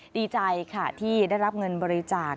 ดีใจค่ะที่ได้รับเงินบริจาค